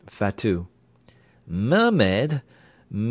FATOUT Mermaid!